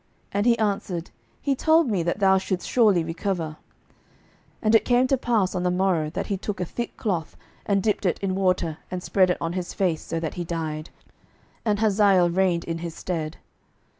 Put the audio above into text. And he answered, He told me that thou shouldest surely recover. 12:008:015 And it came to pass on the morrow, that he took a thick cloth, and dipped it in water, and spread it on his face, so that he died: and Hazael reigned in his stead.